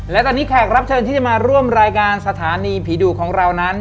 และตอนนี้แขกรับเชิญที่จะมาร่วมรายการสถานีผีดุของเรานั้น